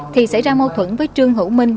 thì xảy ra mâu thuẫn với trương hữu minh